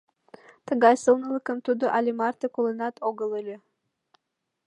Тыгай сылнылыкым тудо але марте колынат огыл ыле!